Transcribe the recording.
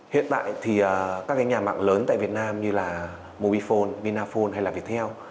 hiện tại thì các cái nhà mạng lớn tại việt nam như là mobifone vinaphone hay là viettel